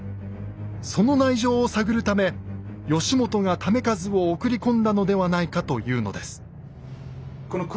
その内情を探るため義元が為和を送り込んだのではないかというのです。